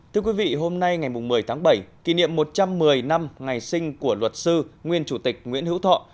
thưa quý vị hôm nay ngày một mươi tháng bảy kỷ niệm một trăm một mươi năm ngày sinh của luật sư nguyên chủ tịch nguyễn hữu thọ